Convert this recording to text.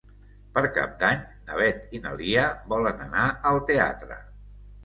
Per Cap d'Any na Beth i na Lia volen anar al teatre.